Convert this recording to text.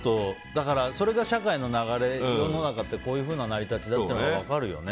それが社会の流れ、世の中ってこういうふうな成り立ちだと分かるよね。